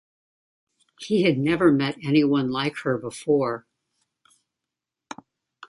He had never met any one like her before.